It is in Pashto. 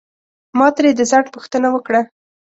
ما ترې د ځنډ پوښتنه وکړه.